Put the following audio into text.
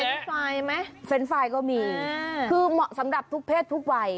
เป็นไฟล์ไหมเรนด์ไฟล์ก็มีคือเหมาะสำหรับทุกเพศทุกวัย